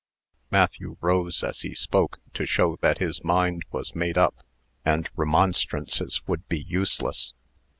Matthew rose as he spoke, to show that his mind was made up, and remonstrances would be useless.